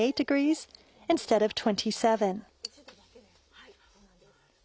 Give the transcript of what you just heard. はい。